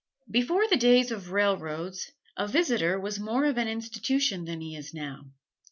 Before the days of railroads, a "visitor" was more of an institution than he is now.